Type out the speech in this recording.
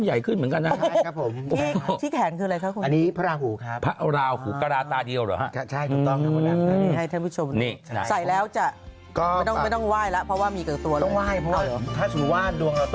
ให้ท่านผู้ชมนี้ใส่แล้วจ้ะก็ไม่ต้องไว้แล้วเพราะว่ามีกับตัวแล้วไม่